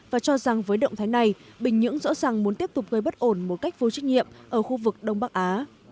và cho rằng với động thái này bình nhưỡng rõ ràng muốn tiếp tục gây bất ổn một cách vô trách nhiệm ở khu vực đông bắc á